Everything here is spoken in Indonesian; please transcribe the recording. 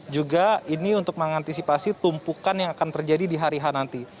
juga ini untuk mengantisipasi tumpukan yang akan terjadi di hari h nanti